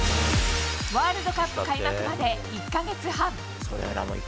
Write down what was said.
ワールドカップ開幕まで１か月半。